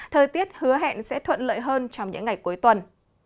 thời tiết hứa hẹn sẽ thuận lợi hơn trong những ngày cuối tuần